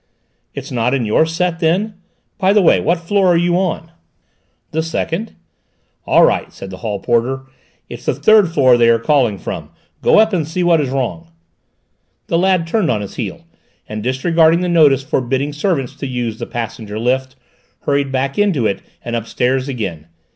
"It's not in your set, then? By the way, what floor are you on?" "The second." "All right," said the hall porter, "it's the third floor that they are calling from. Go up and see what is wrong." The lad turned on his heel, and disregarding the notice forbidding servants to use the passenger lift, hurried back into it and upstairs again.